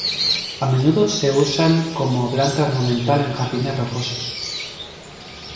A menudos se usan como planta ornamental en jardines rocosos.